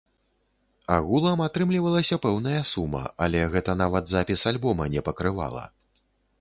Агулам атрымлівалася пэўная сума, але гэта нават запіс альбома не пакрывала.